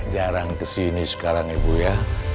jarang kesini sekarang ibu ya